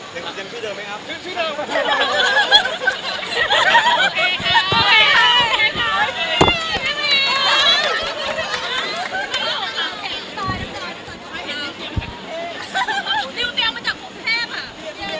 ตายแล้วตายแล้วตายแล้ว